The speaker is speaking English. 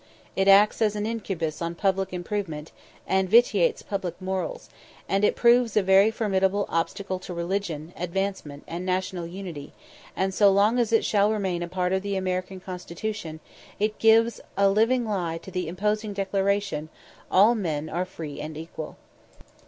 It acts as an incubus on public improvement, and vitiates public morals; and it proves a very formidable obstacle to religion, advancement, and national unity; and so long as it shall remain a part of the American constitution, it gives a living lie to the imposing declaration, "All men are free and equal."